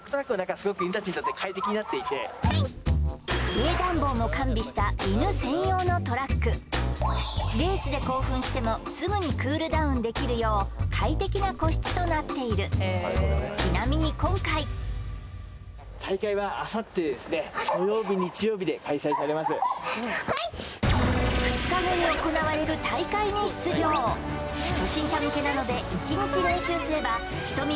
冷暖房も完備した犬専用のトラックレースで興奮してもすぐにクールダウンできるよう快適な個室となっているちなみに今回２日後に行われる大会に出場初心者向けなので１日練習すればひとみ